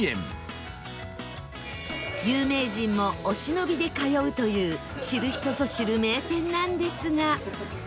有名人もお忍びで通うという知る人ぞ知る名店なんですが